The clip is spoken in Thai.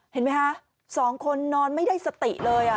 เห็นไหมคะสองคนนอนไม่ได้สติเลย